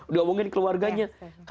diomongin keluarganya ya kan